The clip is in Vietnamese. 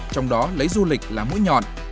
trong đó lấy du lịch là mũi nhọn